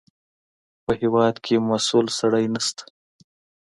په هېواد کې مسوول سړی نشته.